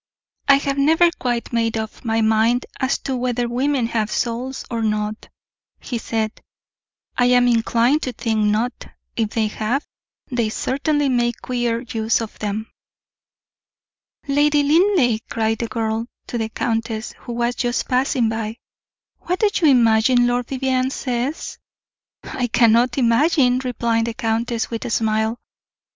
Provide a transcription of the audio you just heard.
"I have never quite made up my mind as to whether women have souls or not," he said. "I am inclined to think not; if they have, they certainly make queer use of them." "Lady Linleigh!" cried the girl, to the countess, who was just passing by, "what do you imagine Lord Vivianne says?" "I cannot imagine," replied the countess, with a smile.